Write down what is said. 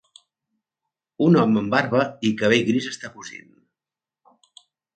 Un home amb barba i cabell gris està cosint.